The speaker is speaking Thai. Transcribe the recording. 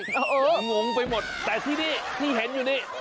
ชั่งงงไปหมดแต่ที่นิดนี่เห็นอยู่นิด